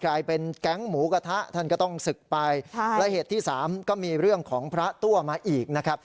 แก๊งหมูกระทะท่านก็ต้องศึกไปและเหตุที่สามก็มีเรื่องของพระตัวมาอีกนะครับ